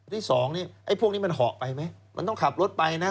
ที่สองเนี่ยไอ้พวกนี้มันเหาะไปไหมมันต้องขับรถไปนะ